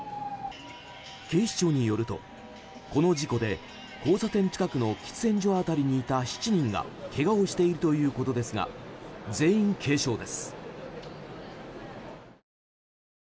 警視庁によるとこの事故で交差点近くの喫煙所辺りにいた７人がけがをしているということですが全員、軽傷です。